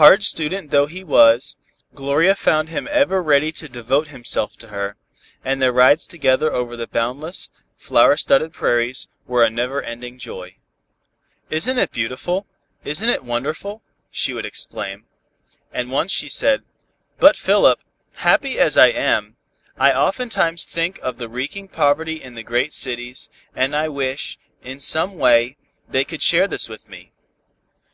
Hard student though he was, Gloria found him ever ready to devote himself to her, and their rides together over the boundless, flower studded prairies, were a never ending joy. "Isn't it beautiful Isn't it wonderful," she would exclaim. And once she said, "But, Philip, happy as I am, I oftentimes think of the reeking poverty in the great cities, and wish, in some way, they could share this with me."